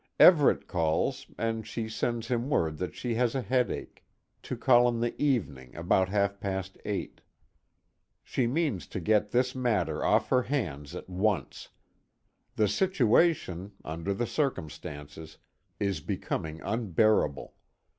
Everet calls, and she sends him word that she has a headache to call in the evening, about half past eight. She means to get this matter off her hands at once. The situation under the circumstances is becoming unbearable.